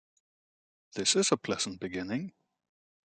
This is a pleasant beginning.